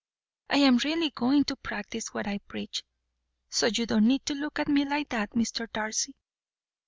I am really going to practise what I preach, so you need not look at me like that, Mr. Darcy."